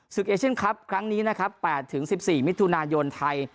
เอเชียนคลับครั้งนี้นะครับ๘๑๔มิถุนายนไทย